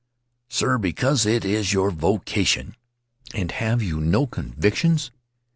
Sir, because it is your vocation. And have you no convictions?